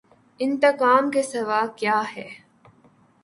انتقام کے سوا کیا ہے۔